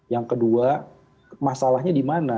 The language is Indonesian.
yang kedua masalahnya di mana